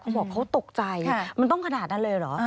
บอกเขาตกใจมันต้องขนาดนั้นเลยเหรอ